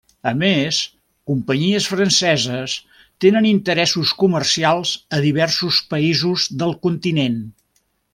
A més, companyies franceses tenen interessos comercials a diversos països del continent.